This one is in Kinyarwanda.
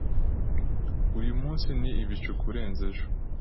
Uyu munsi ni ibicu kurenza ejo.